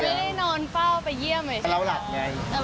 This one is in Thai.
ไม่ได้นอนเป้าไปเยี่ยมเลยใช่ไหม